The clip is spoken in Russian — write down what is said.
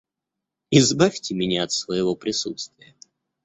Избавьте меня от своего присутствия.